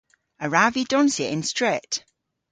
A wrav vy donsya y'n stret?